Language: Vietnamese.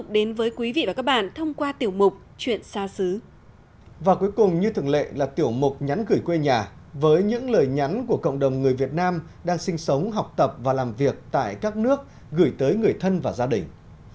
đây là tiểu mục nhắn gửi quê nhà với những lời nhắn của cộng đồng người việt nam đang sinh sống học tập và làm việc tại các nước gửi tới người thân và gia đình